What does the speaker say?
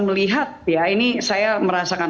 melihat ya ini saya merasakan